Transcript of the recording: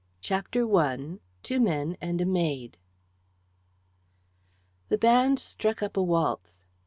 CHAPTER I TWO MEN AND A MAID The band struck up a waltz.